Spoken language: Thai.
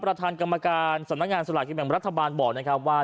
ประธานกรรมการสำนักงานสลากกินแบ่งรัฐบาลบอกนะครับว่า